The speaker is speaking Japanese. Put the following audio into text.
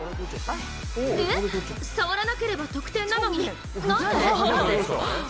えっ、触らなければ得点なのになんで？